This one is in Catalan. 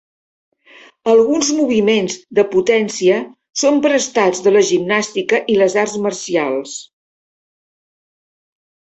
Alguns moviments de potència són prestats de la gimnàstica i les arts marcials.